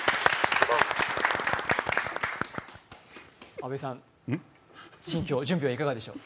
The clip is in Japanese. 阿部さん、心境準備はいかがでしょう？